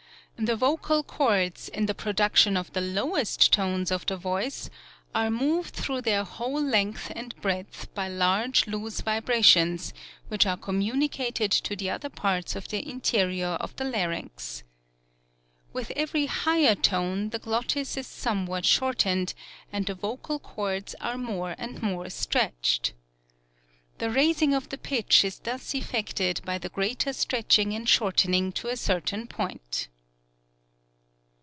The vocal cords, in the production of the lowest tones of the voice, are moved through their whole lengih and breadth by large loose vibrations, which are communicated to the other parts of the interior of the larynx. "With every higher tone the glottis is somewhat shortened, and the vocal cords are more and more stretched. The raising of the pitch is thus effected by the greater stretching and shortening to a certain point."